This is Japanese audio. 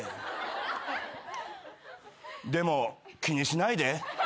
でも気にしないで。